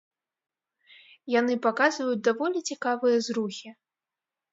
Яны паказваюць даволі цікавыя зрухі.